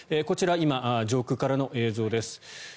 こちら今、上空からの映像です。